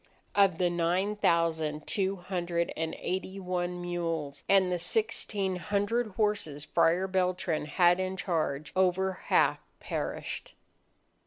Of the nine thousand two hundred and eighty one mules and the sixteen hundred horses Friar Beltran had in charge, over half perished.